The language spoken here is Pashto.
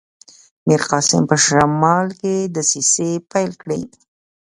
میرقاسم په شمال کې دسیسې پیل کړي.